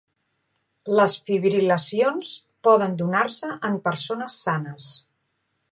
Les fibril·lacions poden donar-se en persones sanes.